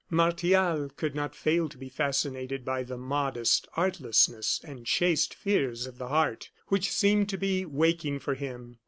Martial could not fail to be fascinated by the modest artlessness and chaste fears of the heart which seemed to be waking for him.